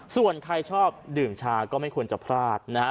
ส่วนใครชอบดื่มชาก็ไม่ควรจะพลาดนะฮะ